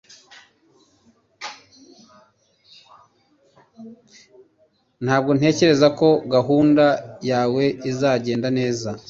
Ntabwo ntekereza ko gahunda yawe izagenda neza